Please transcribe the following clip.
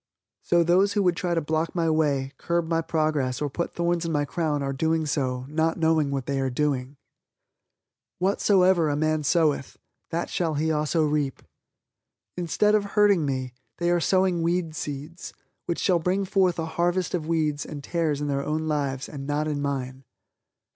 So those who would try to block my way, curb my progress or put thorns in my crown are doing so "not knowing what they are doing." "Whatsoever a man soweth, that shall he also reap." Instead of hurting me, they are sowing weed seeds, which shall bring forth a harvest of weeds and tares in their own lives, and not in mine.